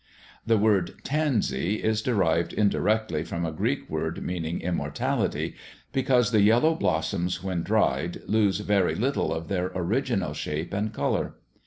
The word "tansy" is derived indirectly from a Greek word meaning "immortality", because the yellow blossoms, when dried, lose very little of their original shape and colour.